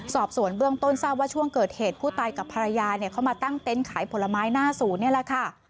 สอบสวนเบื้องต้นทราบว่าช่วงเกิดเหตุผู้ตายกับภรรยาเขามาตั้งเต็นต์ขายผลไม้หน้าศูนย์นี่แหละค่ะ